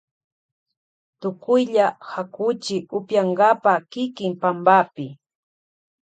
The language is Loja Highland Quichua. Tukuylla hakuchi upiyankapa kiki pampapi.